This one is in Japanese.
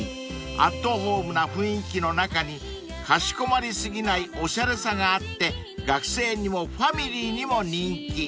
［アットホームな雰囲気の中にかしこまり過ぎないおしゃれさがあって学生にもファミリーにも人気］